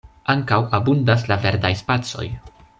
Ankaŭ abundas la verdaj spacoj.